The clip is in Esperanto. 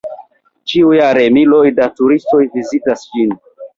Ĉiujare miloj da turistoj vizitas ĝin.